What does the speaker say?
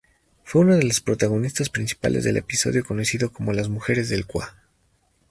Fue una de las protagonistas principales del episodio conocido como "Las mujeres del Cua".